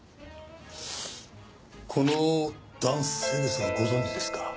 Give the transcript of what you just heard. この男性ですがご存じですか？